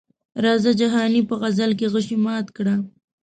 راځه جهاني په غزل کې غشي مات کړه.